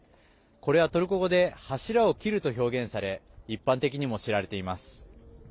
これはトルコ語で「柱を切る」と表現され一般的にも知られています。